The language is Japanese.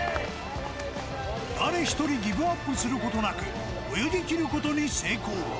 誰１人ギブアップすることなく、泳ぎきることに成功。